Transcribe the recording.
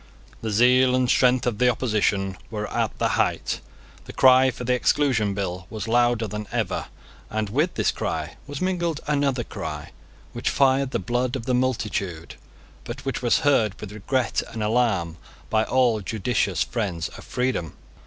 The zeal and strength of the opposition were at the height. The cry for the Exclusion Bill was louder than ever, and with this cry was mingled another cry, which fired the blood of the multitude, but which was heard with regret and alarm by all judicious friends of freedom.